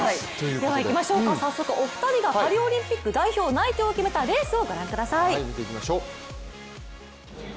早速お二人がパリオリンピック代表内定を決めたレースを見ていきましょう。